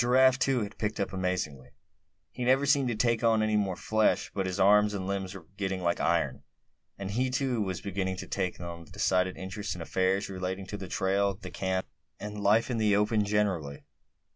Giraffe, too, had picked up amazingly; he never seemed to take on any more flesh; but his arms and limbs were getting like iron; and he too was beginning to take a decided interest in affairs relating to the trail, the camp, and life in the open generally.